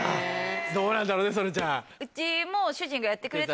どうなんだろうね曽根ちゃん。うちも。